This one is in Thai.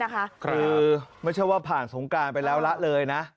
คือไม่ใช่ว่าผ่านสงการไปแล้วละเลยนะ